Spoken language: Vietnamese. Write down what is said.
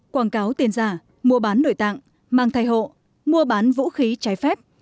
quảng cáo tiền giả mua bán nội tạng mang thai hộ mua bán vũ khí trái phép